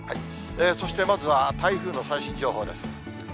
そして、まずは台風の最新情報です。